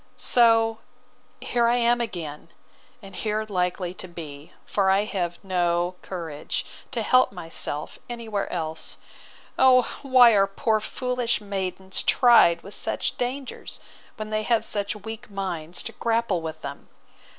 So here I am again, and here likely to be; for I have no courage to help myself any where else. O why are poor foolish maidens tried with such dangers, when they have such weak minds to grapple with them!